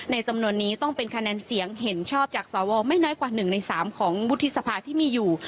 จำนวนนี้ต้องเป็นคะแนนเสียงเห็นชอบจากสวไม่น้อยกว่า๑ใน๓ของวุฒิสภาที่มีอยู่